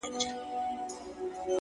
دننه ښه دی روح يې پر ميدان ښه دی